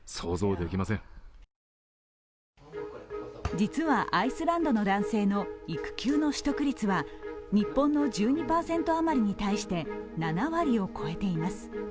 実はアイスランドの男性の育休の取得率は日本の１２％余りに対して７割を超えています。